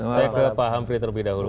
saya ke pak hamfri terlebih dahulu